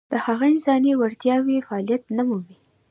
د هغه انساني وړتیاوې فعلیت نه مومي.